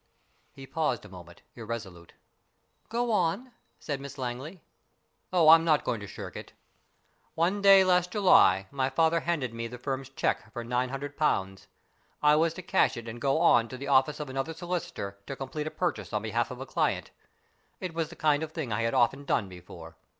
He paused a moment, irresolute. " Go on," said Mrs Langley. " Oh, I'm not going to shirk it. One day last July my father handed me the firm's cheque for nine hundred pounds. I was to cash it and go on to the office of another solicitor to complete a purchase on behalf of a client. It was the kind of thing I had often done before.